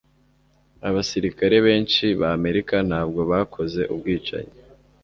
abasirikare benshi b'Amerika ntabwo bakoze ubwicanyi.